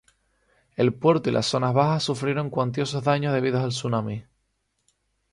El puerto y las zonas bajas sufrieron cuantiosos daños debidos al tsunami.